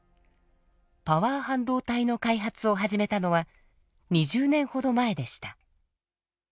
パワー半導体の開発を始めたのは２０年ほど前でした。